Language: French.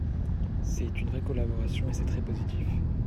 C’est une vraie collaboration et c’est très positif.